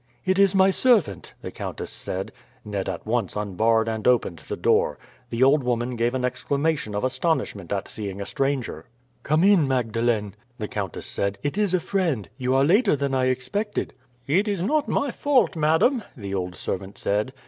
"It is my servant," the countess said. Ned at once unbarred and opened the door. The old woman gave an exclamation of astonishment at seeing a stranger. "Come in, Magdalene," the countess said; "it is a friend. You are later than I expected." "It is not my fault, madam," the old servant said.